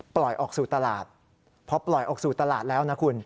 ปล่อยออกสู่ตลาดพอปล่อยออกสู่ตลาดแล้วนะคุณ